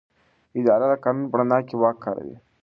اداره د قانون په رڼا کې واک کاروي.